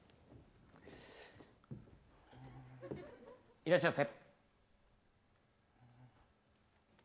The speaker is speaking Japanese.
いらっしゃいませ。